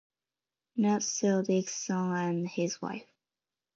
Not so Dickson and his wife.